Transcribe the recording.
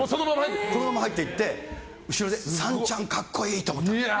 このまま入って行って後ろでさんちゃん格好いいって思った。